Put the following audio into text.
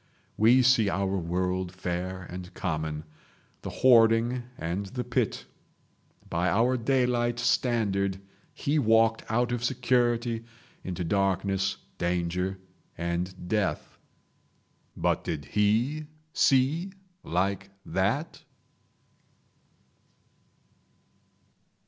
We see our world fair and common, the hoarding and the pit. By our daylight standard he walked out of security into darkness, danger and death. But did he see like that?